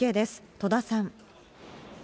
戸田さん。